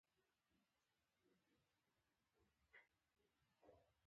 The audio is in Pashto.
پلار د کور ستن ده.